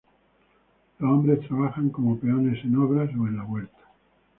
Los hombres trabajan como peones en obras o en la huerta.